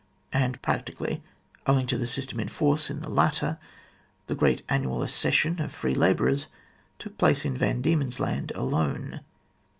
And, practically, owing to the system in force in the latter, the great annual accession of free labourers took place in Van Diemen's Land alone.